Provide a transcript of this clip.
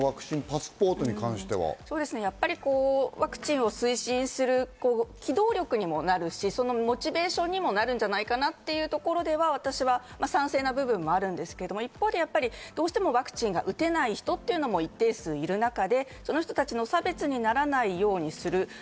ワクチンを推進する機動力にもなるし、モチベーションにもなるんじゃないかなというところでは私は賛成な部分もあるんですが、一方でワクチンが打てない人も一定数いる中でそういう人たちの差別にならないようにする。